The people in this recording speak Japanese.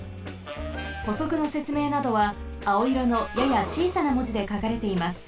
ほそくのせつめいなどはあおいろのややちいさなもじでかかれています。